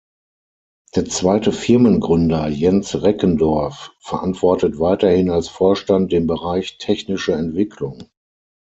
Der zweite Firmengründer, Jens Reckendorf, verantwortet weiterhin als Vorstand den Bereich technische Entwicklung.